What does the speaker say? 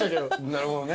なるほどね。